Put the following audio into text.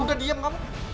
udah diam kamu